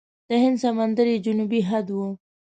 د هند سمندر یې جنوبي حد و.